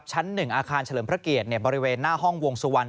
ชั้น๑อาคารเฉลิมพระเกียรติบริเวณหน้าห้องวงสุวรรณ